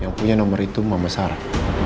yang punya nomor itu mama sarah